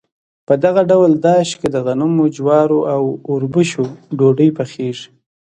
په دغه ډول داش کې د غنمو، جوارو او اوربشو ډوډۍ پخیږي.